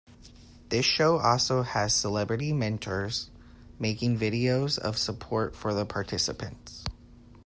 This show also has celebrity mentors making videos of support for the participants.